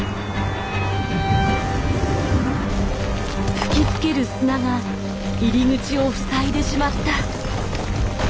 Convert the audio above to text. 吹きつける砂が入り口を塞いでしまった。